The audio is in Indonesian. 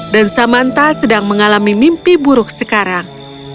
dan samantha sedang mengalami mimpi buruk sekarang